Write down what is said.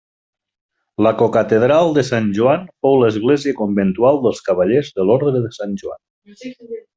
La cocatedral de Sant Joan fou l'església conventual dels cavallers de l'orde de Sant Joan.